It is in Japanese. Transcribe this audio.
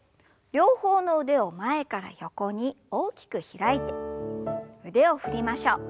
両方の腕を前から横に大きく開いて腕を振りましょう。